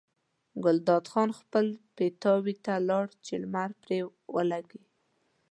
ګلداد خان خپل پیتاوي ته لاړ چې لمر پرې ولګي.